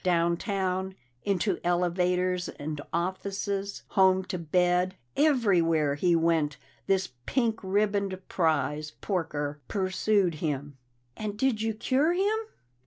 Down town, into elevators and offices, home to bed everywhere he went this pink ribboned prize porker pursued him!" "And did you cure him?"